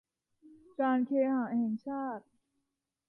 การเคหะแห่งชาติ